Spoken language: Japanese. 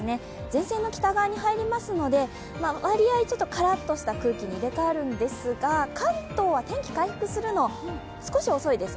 前線の北側に入りますので割合からっとした空気に入れかわるんですが関東は天気回復するの少し遅いです。